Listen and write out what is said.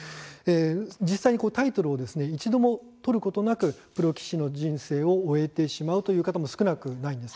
実際にタイトルを一度も取ることなくプロ棋士の人生を終えてしまうという方も少なくないんです。